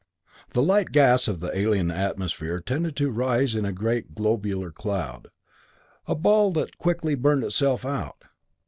The light gas of the alien atmosphere tended to rise in a great globular cloud, a ball that quickly burned itself out.